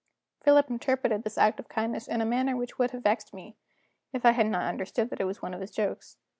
Philip interpreted this act of kindness in a manner which would have vexed me, if I had not understood that it was one of his jokes.